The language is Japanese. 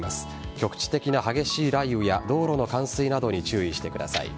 局地的な激しい雷雨や道路の冠水などに注意してください。